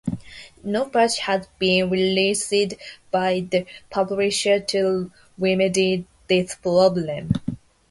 No patch has been released by the publisher to remedy this problem.